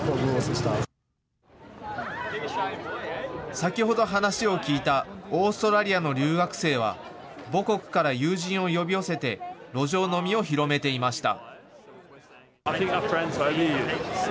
先ほど話を聞いたオーストラリアの留学生は母国から友人を呼び寄せて路上飲みを広めていました。